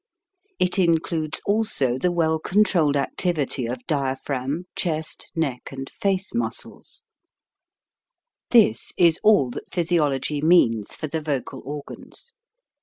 It includes also the well controlled activity of diaphragm, chest, neck, and face muscles. 42 HOW TO SING This is all that physiology means for the vocal organs.